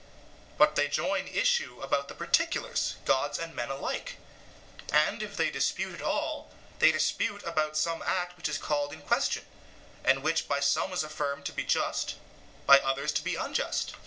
SOCRATES: But they join issue about the particulars gods and men alike; and, if they dispute at all, they dispute about some act which is called in question, and which by some is affirmed to be just, by others to be unjust.